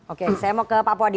oke saya mau ke pak puadi